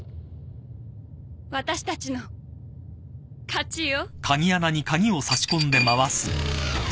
私たちの勝ちよ。